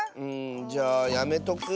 じゃあやめとく？